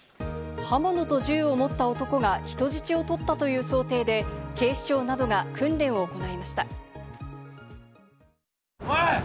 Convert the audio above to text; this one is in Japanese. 刃物と銃を酔った男が人質を取ったという想定で警視庁などが訓練を行いました。